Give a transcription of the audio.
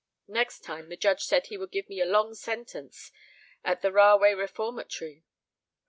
Next time the judge said he would give me a long sentence in the Rahway Reformatory."